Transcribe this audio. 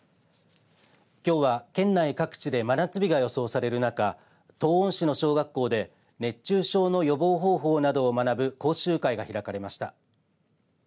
きょうは、県内各地で真夏日が予想される中東温市の小学校で熱中症の予防方法などを学ぶ講習会が開かれました。